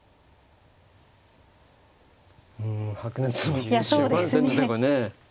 うん白熱の終盤戦だねこれね。